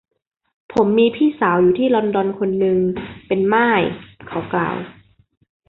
ผมมีพี่สาวอยู่ที่ลอนดอนคนนึง เป็นม่าย เขากล่าว